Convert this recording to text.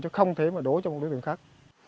chứ không thể mà đổ trong một đối tượng khác